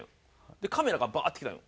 でカメラがバーッて来たんよ。